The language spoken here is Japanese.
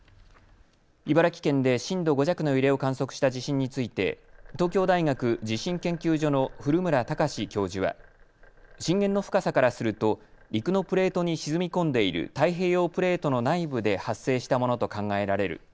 茨城県で震度５弱の揺れを観測した地震について東京大学地震研究所の古村孝志教授は震源の深さからすると陸のプレートに沈み込んでいる太平洋プレートの内部で発生したものと考えられる。